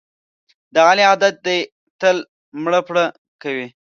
د علي عادت دی تل مړه پړه کوي.